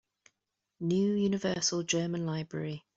New Universal German Library.